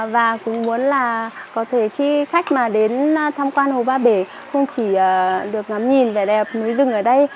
và cũng muốn là có thể khi khách mà đến tham quan hồ ba bể không chỉ được ngắm nhìn vẻ đẹp núi rừng ở đây